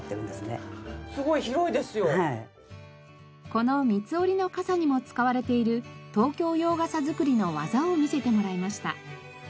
この三つ折りの傘にも使われている東京洋傘作りの技を見せてもらいました。